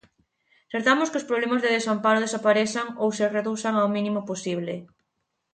Tratamos que os problemas de desamparo desaparezan ou se reduzan ao mínimo posible.